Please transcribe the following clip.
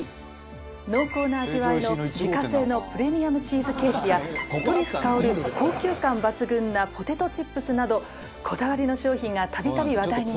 濃厚な味わいの自家製のプレミアムチーズケーキやトリュフ香る高級感抜群なポテトチップスなどこだわりの商品が度々話題になっています。